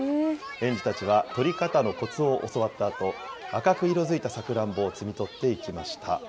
園児たちは取り方のこつを教わったあと、赤く色づいたさくらんぼを摘み取っていきました。